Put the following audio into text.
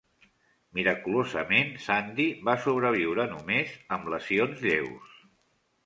Miraculosament, Zandi va sobreviure només amb lesions lleus.